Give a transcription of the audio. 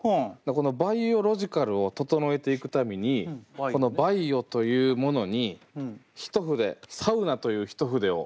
このバイオロジカルを整えていくためにこのバイオというものに一筆「サウナ」という一筆を。